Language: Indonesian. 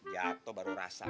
jatoh baru rasa